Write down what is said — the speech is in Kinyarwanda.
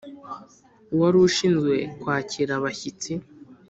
uwari ushinzwe kwakira abashyitsi